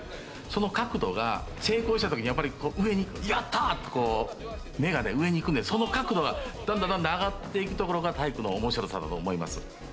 その角度が成功した時にやっぱり上に「やった！」ってこう目がね上にいくんでその角度がどんどんどんどん上がっていくところが体育の面白さだと思います。